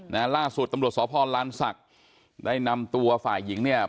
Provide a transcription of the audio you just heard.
ล่าสุดตำรวจสพลานศักดิ์ได้นำตัวฝ่ายหญิงเนี่ย